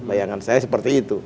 bayangan saya seperti itu